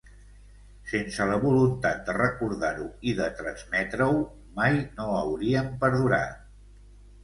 Sense la voluntat de recordar-ho i de transmetre-ho, mai no hauríem perdurat.